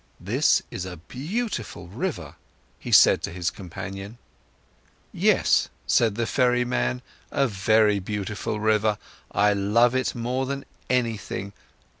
"This is a beautiful river," he said to his companion. "Yes," said the ferryman, "a very beautiful river, I love it more than anything.